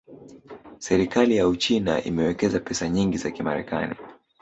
Serikali ya Uchina imewekeza pesa nyingi za Kimarekani